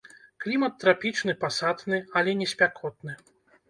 Клімат трапічны пасатны, але не спякотны.